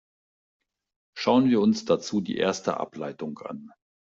Schauen wir uns dazu die erste Ableitung an.